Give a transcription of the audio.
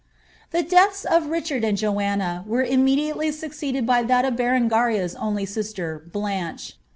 ^ The deaths of Richard and Joanna were immediately succeeded by that of Berengaria's only sister, Blanche.